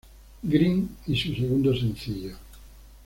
Green y su segundo sencillo.